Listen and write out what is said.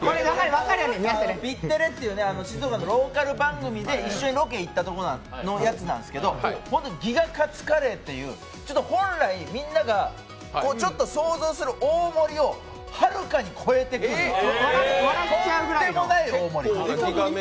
静岡のローカル番組で一緒にロケに行ったやつなんですがギガかつカレーっていう、本来みんながちょっと想像する大盛りをはるかに超えてくるとんでもない大盛り。